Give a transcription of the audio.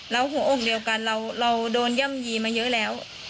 เราหัวอกเดียวกันเราโดนเยี่ยมมาเยอะแล้ว